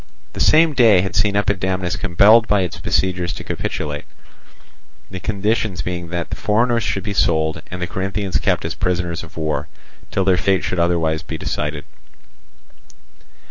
The same day had seen Epidamnus compelled by its besiegers to capitulate; the conditions being that the foreigners should be sold, and the Corinthians kept as prisoners of war, till their fate should be otherwise decided.